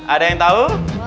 ada yang tahu